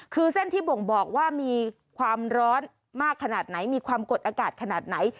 คือเส้นที่บ่งบอกว่ามีความร้อนมากขนาดไหนมีความกดอากาศขนาดไหน